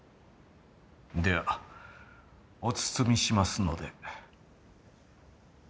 ではお包みしますので。